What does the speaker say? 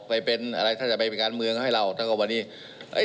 ไปเป็นอะไรถ้าจะไปเป็นการเมืองให้ลาออกตั้งแต่วันนี้